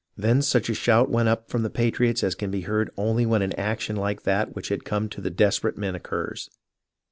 Then such a shout went up from the patriots as can be heard only when an action like that which had come to the desperate men occurs.